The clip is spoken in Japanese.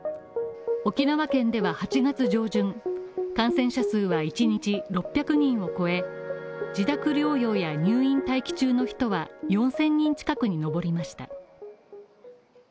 沖縄県では８月上旬、感染者数は１日６００人を超え自宅療養や入院待機中の人は４０００人近くに上りました。